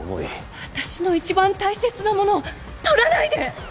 私の一番大切なものを取らないで！